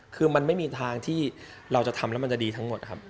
คือมันไม่มีทางที่เราจะทำแล้วมันจะดีทั้งหมดครับ